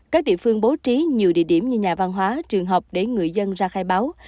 các địa phương bố trí nhiều địa điểm như nhà văn hóa trường học để người dân ra khai báo